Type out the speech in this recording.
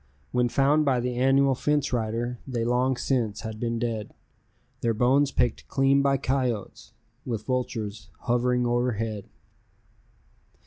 When found by the annual fence rider, they long since had been dead, Their bones picked clean by coyotes, with vultures hovering o'erhead.